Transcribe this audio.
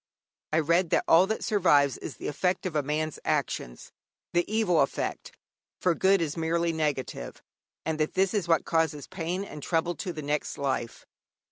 I read that all that survives is the effect of a man's actions, the evil effect, for good is merely negative, and that this is what causes pain and trouble to the next life.